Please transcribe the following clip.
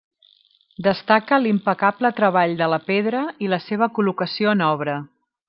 Destaca l'impecable treball de la pedra i la seva col·locació en obra.